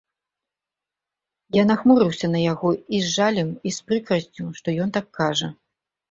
Я нахмурыўся на яго і з жалем і з прыкрасцю, што ён так кажа.